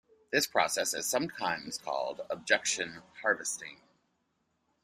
This process is sometimes called "objection harvesting".